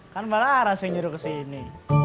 kan bararas yang juru kesini